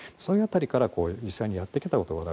そういう辺りから実際にやってきている。